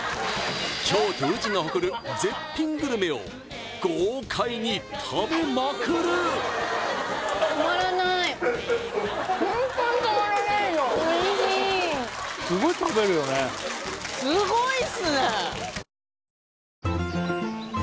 京都・宇治が誇る絶品グルメを豪快に食べまくるおいしい